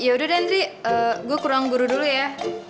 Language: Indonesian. yaudah dandri gue kurang guru dulu ya